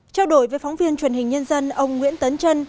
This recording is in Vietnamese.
trao đổi với phóng viên truyền hình nhân dân ông nguyễn tấn trân